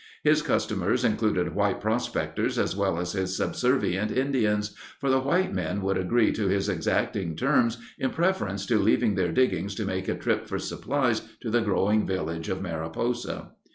His customers included white prospectors as well as his subservient Indians, for the white men would agree to his exacting terms in preference to leaving their diggings to make a trip for supplies to the growing village of Mariposa.